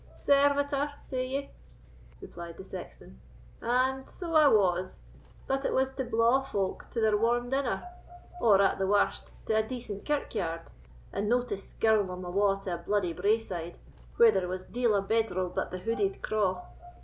"Servitor, say ye?" replied the sexton, "and so I was; but it was to blaw folk to their warm dinner, or at the warst to a decent kirkyard, and no to skirl them awa' to a bluidy braeside, where there was deil a bedral but the hooded craw.